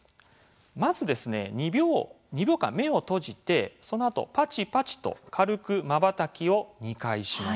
まず、２秒間目を閉じてそのあとパチパチと軽くまばたきを２回します。